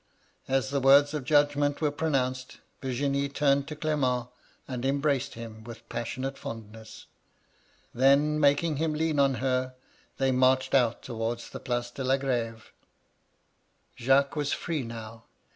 As the words of judgment were pro nounced, Virginie turned to Clement, and embraced him with passionate fondness. Then, making him MY LADY LUDLOW. 195 lean on her, they marched out towards the Place de la Grfeve. " Jacques was free now.